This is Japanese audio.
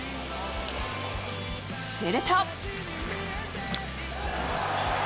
すると。